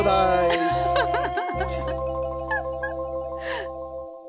アハハハハ。